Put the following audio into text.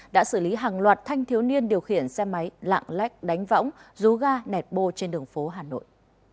đã xử lý hàng loạt thanh thiếu niên điều khiển xe máy lạng lách đánh võng rú ga nẹt bô trên đường phố hà nội